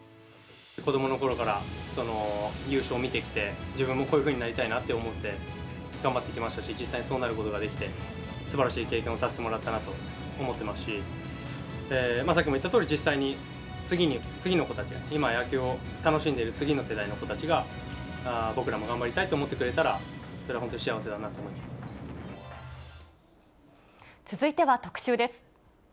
子どものころから、優勝を見てきて、自分もこういうふうになりたいなと思って頑張ってきましたし、実際にそうなることができて、すばらしい経験をさせてもらったなと思ってますし、さっきも言ったとおり、実際に次に、次の子たち、今、野球を楽しんでいる次の世代の子たちが、僕らも頑張りたいって思ってくれたら、それは本当に幸せだなと思続いては、特集です。